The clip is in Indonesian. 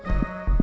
tidak ada apa apa